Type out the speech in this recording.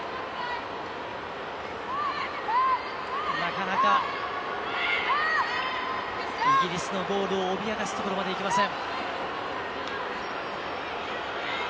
なかなかイギリスのボールを脅かすところまでいきません。